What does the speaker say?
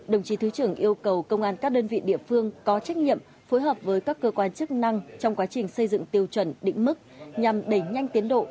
đồng chí thứ trưởng yêu cầu công an các đơn vị địa phương có trách nhiệm phối hợp với các cơ quan chức năng trong quá trình xây dựng tiêu chuẩn định mức nhằm đẩy nhanh tiến độ